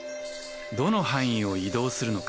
どの範囲を移動するのか？